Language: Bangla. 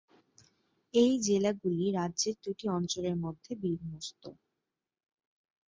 এই জেলাগুলি রাজ্যের দুটি অঞ্চলের মধ্যে বিন্যস্ত।